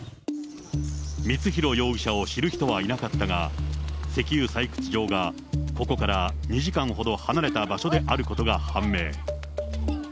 光弘容疑者を知る人はいなかったが、石油採掘場が、ここから２時間ほど離れた場所であることが判明。